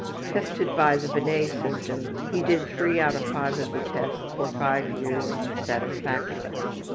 Tested by the Binet system, he did three out of five of the tests for five years satisfactorily.